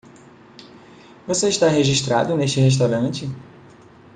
Você está registrado neste restaurante?